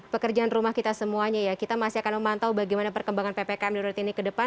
pekerjaan rumah kita semuanya ya kita masih akan memantau bagaimana perkembangan ppkm darurat ini ke depan